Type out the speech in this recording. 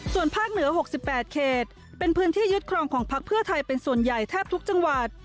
ส่วนภาคเหนือ๖๘เขตเป็นพื้นที่ยึดครองของพักเพื่อไทยเป็นส่วนใหญ่แทบทุกจังหวัด